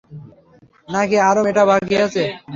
নাকি আরও মেটা বাকি আছে?